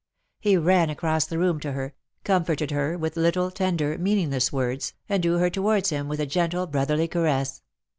He ran across the room to her, comforted her with little tender, meaningless words, and drew her towards him with a gentle brotherly caress.